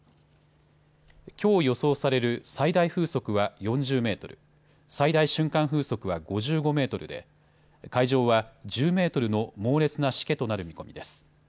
きょう予想される最大風速は４０メートル、最大瞬間風速は５５メートルで海上は１０メートルの猛烈なしけとなる見込みです。